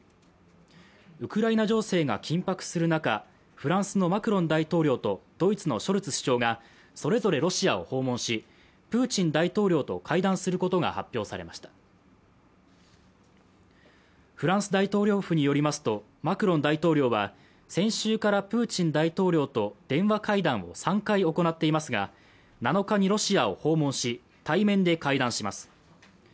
ウクライナ情勢が緊迫する中フランスのマクロン大統領とドイツのショルツ首相がそれぞれロシアを訪問しプーチン大統領と会談することが発表されましたフランス大統領府によりますとマクロン大統領は先週からプーチン大統領と電話会談を３回行っていますが７日にロシアを訪問し対面で会談します